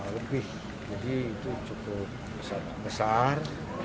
lebih jadi itu cukup besar